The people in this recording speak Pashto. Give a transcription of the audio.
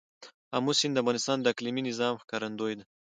آمو سیند د افغانستان د اقلیمي نظام ښکارندوی ده.